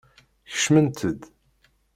Kecmemt-d.